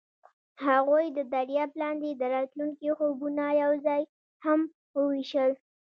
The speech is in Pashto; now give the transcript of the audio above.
هغوی د دریاب لاندې د راتلونکي خوبونه یوځای هم وویشل.